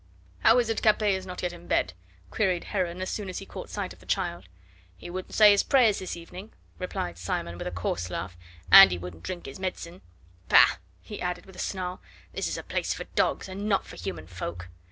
"How is it Capet is not yet in bed?" queried Heron as soon as he caught sight of the child. "He wouldn't say his prayers this evening," replied Simon with a coarse laugh, "and wouldn't drink his medicine. Bah!" he added with a snarl, "this is a place for dogs and not for human folk."